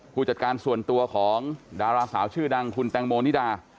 ผู้จัดการส่วนตัวของดาราสาวชื่อดังคุณแตงโมนิดา